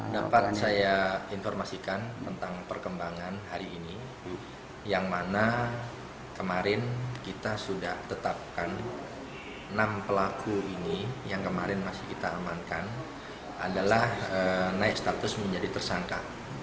dapat saya informasikan tentang perkembangan hari ini yang mana kemarin kita sudah tetapkan enam pelaku ini yang kemarin masih kita amankan adalah naik status menjadi tersangka